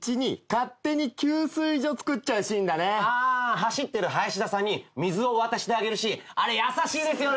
走ってる林田さんに水を渡してあげるシーンあれ優しいですよね。